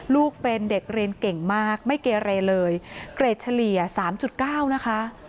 ลูกเป็นเด็กเรียนเก่งมากไม่เกเรเลยเกรดเฉลี่ย๓๙นะคะ